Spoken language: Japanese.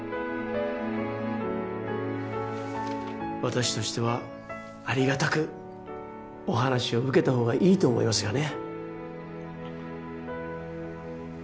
私としてはありがたくお話を受けたほうがいいと思いますがね